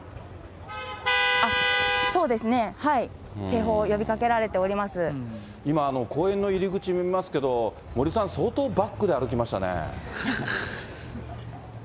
そうですね、警報、今、公園の入り口見えますけど、森さん、相当バックで歩きましたね。